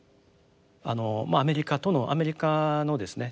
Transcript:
あのアメリカとのアメリカのですね